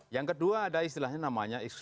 yang kedua ada istilahnya namanya